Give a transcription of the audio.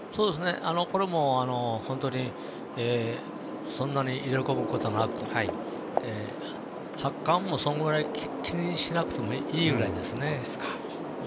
これも、そんなにイレ込むことなく発汗も、そのぐらい気にしなくてもいいぐらいです。